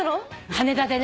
羽田でね。